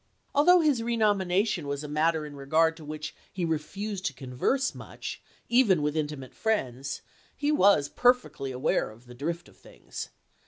Although his renomination was a matter in regard to which he refused to converse much, even with intimate friends, he was perfectly aware of 318 ABRAHAM LINCOLN Chap. XII. the drift of things.